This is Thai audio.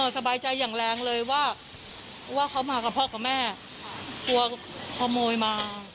กลัวขโมยมา